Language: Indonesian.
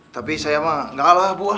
tapi saya mah nggak lah bu